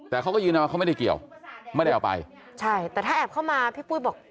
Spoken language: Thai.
แต่เขาก็ยืนยันว่าเขาไม่ได้เกี่ยวไม่ได้เอาไปใช่แต่ถ้าแอบเข้ามาพี่ปุ้ยบอก